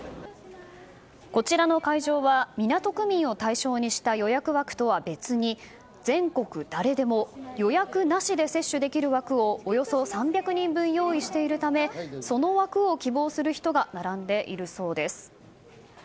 こちらの会場は港区民を対象にした予約枠とは別に全国誰でも予約なしで接種できる枠をおよそ３００人分用意しているためその枠を希望する人が並んでいるそうです。